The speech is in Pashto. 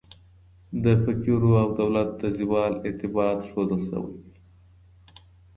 د فقرو او دولت د زوال ارتباط ښوول سوي دي.